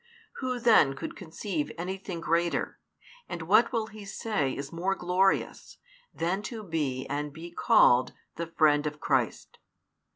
Who then could conceive any thing greater, and what will he say is more glorious, than to be and be called the friend of Christ?